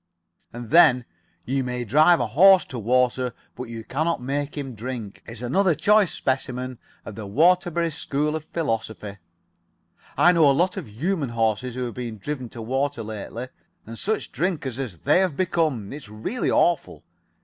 And then, 'You may drive a horse to water, but you cannot make him drink,' is another choice specimen of the Waterbury School of Philosophy. I know a lot of human horses who have been driven to water lately, and such drinkers as they have become! It's really awful.